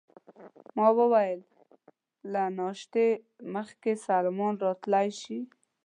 ما وویل: له ناشتې مخکې سلمان راتلای شي؟